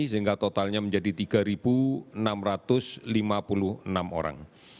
sehingga totalnya menjadi tiga enam ratus lima puluh enam orang